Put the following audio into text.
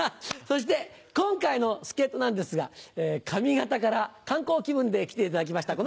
そして今回の助っ人なんですが上方から観光気分で来ていただきました。